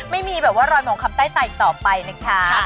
ไม่มีแบบว่ารอยหมองคำใต้ตาอีกต่อไปนะคะ